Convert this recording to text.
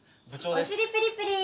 ・おしりプリプリ！